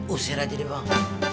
usir aja deh abang